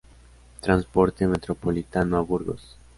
Transporte metropolitano a Burgos.